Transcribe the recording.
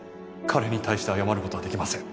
彼に対して謝る事はできません。